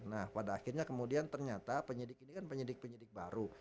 nah pada akhirnya kemudian ternyata penyidik ini kan penyidik penyidik baru